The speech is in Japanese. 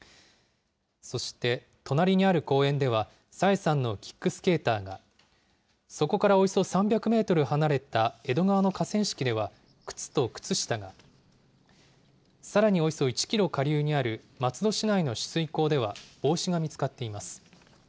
そして、隣にある公園では、朝芽さんのキックスケーターが、そこからおよそ３００メートル離れた江戸川の河川敷では靴と靴下が、さらにおよそ１キロ下流にある松戸市内の取水口では帽子が見つかっています。